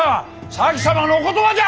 前様のお言葉じゃ！